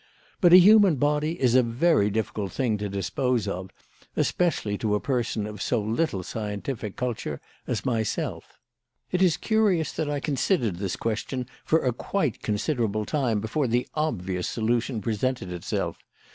But a human body is a very difficult thing to dispose of, especially to a person of so little scientific culture as myself. "It is curious that I considered this question for a quite considerable time before the obvious solution presented itself.